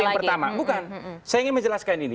yang pertama bukan saya ingin menjelaskan ini